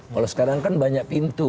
kalau sekarang kan banyak pintu